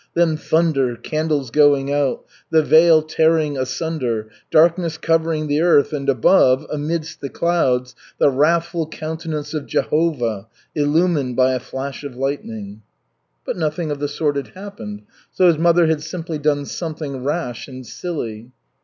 Then, thunder, candles going out, the veil tearing asunder, darkness covering the earth, and above, amidst the clouds the wrathful countenance of Jehovah illumined by a flash of lightning. But nothing of the sort had happened, so his mother had simply done something rash and silly.